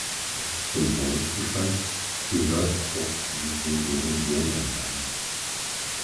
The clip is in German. Zum Wohnungsbestand gehört auch eine Seniorenwohnanlage.